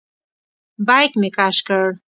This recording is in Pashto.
بیک مې کش کړ.